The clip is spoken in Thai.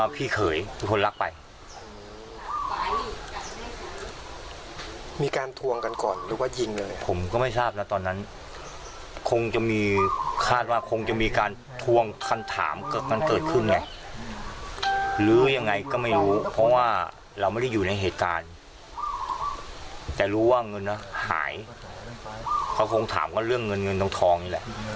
ผมคงถามก็เรื่องเงินตรงทองนี้แหละ